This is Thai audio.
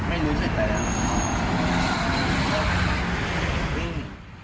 ไม่รู้สึกอะไรนะ